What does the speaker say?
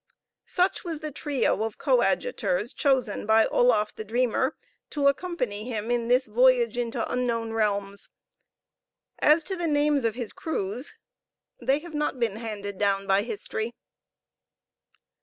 Such was the trio of coadjutors chosen by Oloffe the Dreamer to accompany him in this voyage into unknown realms; as to the names of his crews they have not been handed down by history.